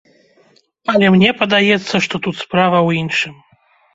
Але мне падаецца, што тут справа ў іншым.